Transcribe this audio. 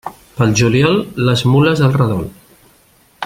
Pel juliol, les mules al redol.